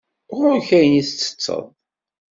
Ɣur-k ayen i ttetteḍ.